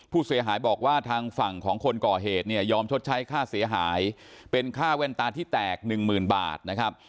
ผู้เสียหายบอกว่าทางฝั่งของคนก่อเหตุเนี่ยยอมชดใช้ค่าเสียหายเป็นค่าแว่นตาที่แตกหนึ่งหมื่นบาทนะครับ